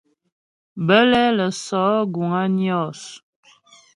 Bə́lɛ lə́ sɔ̌ guŋ á Nyos.